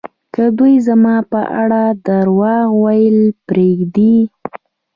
که دوی زما په اړه درواغ ویل پرېږدي